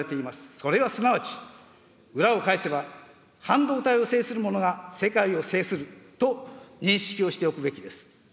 それはすなわち、裏を返せば、半導体を制するものが世界を制すると認識をしておくべきです。